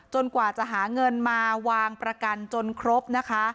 กว่าจะหาเงินมาวางประกันจนครบนะคะ